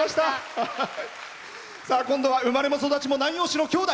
今度は生まれも育ちも南陽市の兄弟。